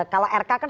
kalau rk kan